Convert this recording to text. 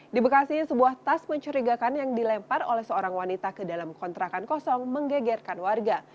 di bekasi sebuah tas mencurigakan yang dilempar oleh seorang wanita ke dalam kontrakan kosong menggegerkan warga